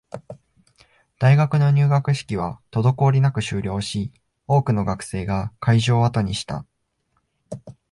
大学の入学式は滞りなく終了し、多くの学生が会場を後にした